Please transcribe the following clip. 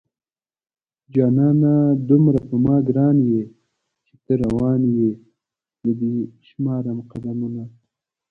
جانانه دومره په ما گران يې چې ته روان يې زه دې شمارم قدمونه